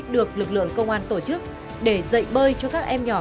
được lực lượng công an tổ chức để dạy bơi cho các em nhỏ